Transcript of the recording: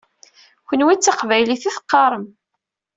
Kenwi d taqbaylit i teqqaṛem.